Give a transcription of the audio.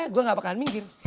gue gak bakalan minggir